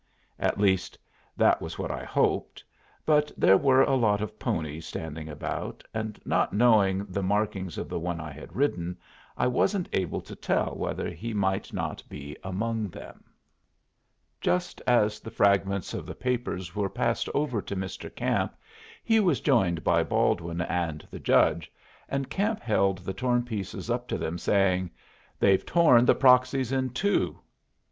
At least that was what I hoped; but there were a lot of ponies standing about, and, not knowing the markings of the one I had ridden, I wasn't able to tell whether he might not be among them. Just as the fragments of the papers were passed over to Mr. Camp, he was joined by Baldwin and the judge, and Camp held the torn pieces up to them, saying, "They've torn the proxies in two."